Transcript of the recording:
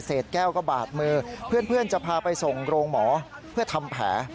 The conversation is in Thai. แก้วก็บาดมือเพื่อนจะพาไปส่งโรงหมอเพื่อทำแผล